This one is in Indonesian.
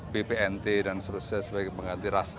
bpnt dan seterusnya sebagai pengganti rasna